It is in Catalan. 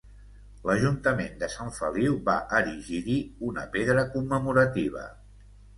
L'ajuntament de Sant Feliu va erigir-hi una pedra commemorativa.